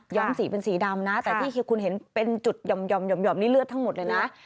สีเป็นสีดำนะแต่ที่คุณเห็นเป็นจุดหย่อมนี่เลือดทั้งหมดเลยนะ